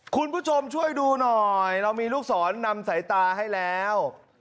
คุณผู้ชมช่วยดูหน่อยเรามีลูกศรนำสายตาให้แล้ว